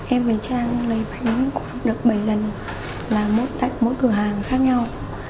em với trang lấy bánh khoảng được bảy lần là mỗi cửa hàng khác nhau